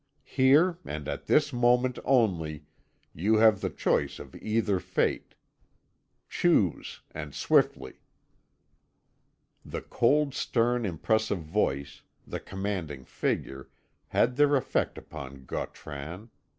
Here, and at this moment only, you have the choice of either fate. Choose, and swiftly." The cold, stern, impressive voice, the commanding figure, had their effect upon Gautran.